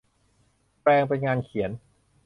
แปลงเป็นงานเขียน